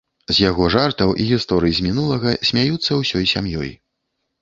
З яго жартаў і гісторый з мінулага смяюцца ўсёй сям'ёй.